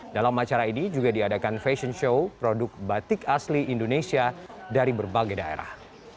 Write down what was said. dalam acara ini juga diadakan fashion show produk batik asli indonesia dari berbagai daerah